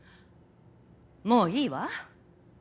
もういいわ。